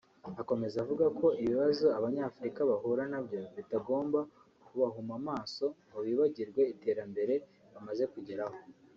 Akomeza avuga ko ibibazo Abanyafurika bahura nabyo bitagomba kubahuma amaso ngo bibagirwe iterambere bamaze kugeraho